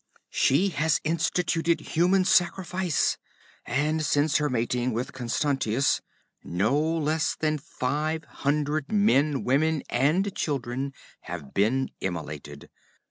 'She has instituted human sacrifice, and since her mating with Constantius, no less then five hundred men, women and children have been immolated.